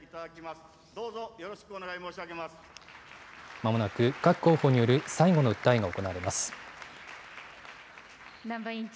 まもなく各候補による最後の訴えが行われます。